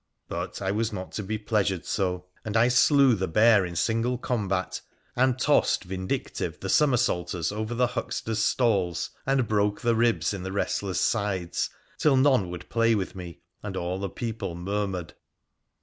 But I wa3 not to be pleasured so, and I slew the bear in single combat, and tossed, vindictive, the somersaulters over the hucksters' stalls, and broke the ribs in the wrestlers' sides — till none would play with me, and all the people murmured.